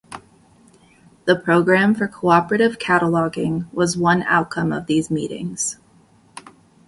The Program for Cooperative Cataloging was one outcome of these meetings.